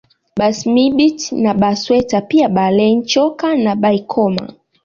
Basimbiti na Basweta pia Barenchoka na Baikoma